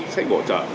sách bổ trợ